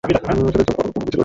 সেটা জানার কোন উপায় ছিলো না।